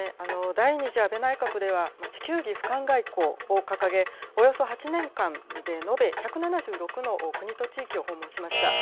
第２次安倍内閣では地球儀ふかん外交を掲げおよそ８年間で延べ１７６の国と地域を訪問しました。